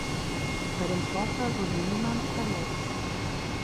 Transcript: Bei dem Vorfall wurde niemand verletzt.